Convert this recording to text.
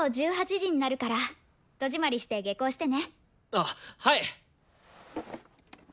あっはい！